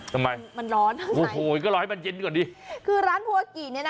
ทำไมมันร้อนโอ้โหก็รอให้มันเย็นก่อนดีคือร้านภูวากิเนี่ยนะ